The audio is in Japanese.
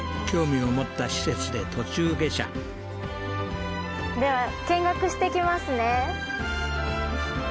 興味を持った施設で途中下車では見学していきますね